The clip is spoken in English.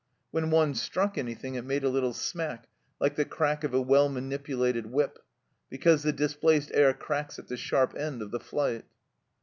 When one struck anything it made a little smack like the crack of a well manipulated whip, because the displaced air cracks at the sharp end of the flight.